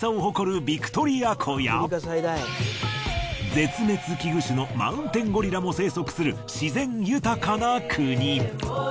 絶滅危惧種のマウンテンゴリラも生息する自然豊かな国。